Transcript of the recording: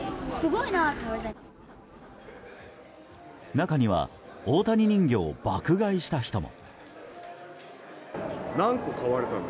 中には大谷人形を爆買いした人も。